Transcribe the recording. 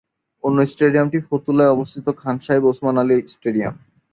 অন্য স্টেডিয়ামটি ফতুল্লায় অবস্থিত খান সাহেব ওসমান আলী স্টেডিয়াম।